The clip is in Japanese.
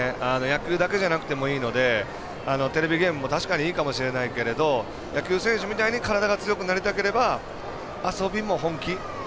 野球だけじゃなくてもいいのでテレビゲームも確かにいいかもしれないけれども野球選手みたいに体が強くなりたければ遊びも本気。